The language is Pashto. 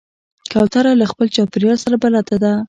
کوتره له خپل چاپېریال سره بلد ده.